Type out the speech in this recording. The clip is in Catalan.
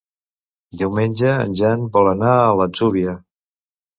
Diumenge en Jan vol anar a l'Atzúbia.